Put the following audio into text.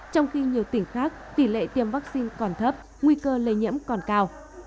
trong khi nhiều tỉnh khác tỷ lệ tiêm vaccine còn thấp nguy cơ lây nhiễm còn cao